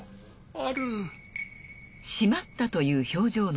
ある？